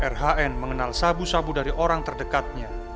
rhn mengenal sabu sabu dari orang terdekatnya